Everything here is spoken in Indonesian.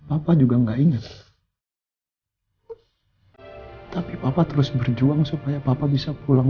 ada keluarga yang sangat mencintai papa disini